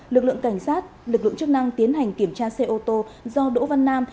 lực lượng cảnh sát lực lượng chức năng tiến hành kiểm tra xe ô tô do đỗ văn nam